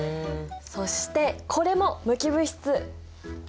そしてこれも無機物質！